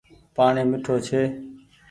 پآڻيٚ ميِٺو ڇي۔